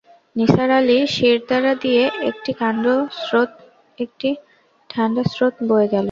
নিসার আলির শিরদাঁড়া দিয়ে একটি ঠাণ্ড স্রোত বয়ে গেল।